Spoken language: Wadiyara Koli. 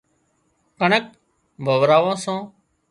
ڪڻڪ واوران سان